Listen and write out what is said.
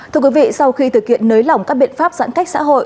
thưa quý vị sau khi thực hiện nới lỏng các biện pháp giãn cách xã hội